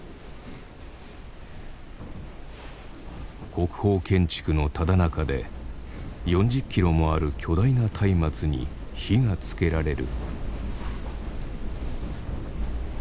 国宝建築のただ中で４０キロもある巨大な松明に火がつけられる。